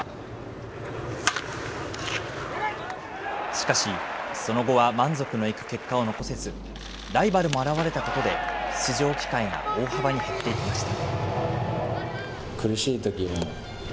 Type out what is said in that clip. しかし、その後は満足のいく結果を残せず、ライバルも現れたことで、出場機会が大幅に減っていきました。